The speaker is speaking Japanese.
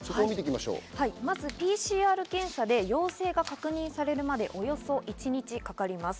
まずＰＣＲ検査で陽性が確認されるまで、およそ１日かかります。